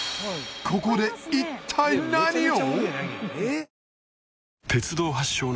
ここで一体何を！？